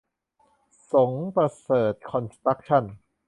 สงประเสริฐคอนสตรัคชั่น